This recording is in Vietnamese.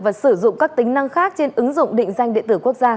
và sử dụng các tính năng khác trên ứng dụng định danh địa tử quốc gia vneid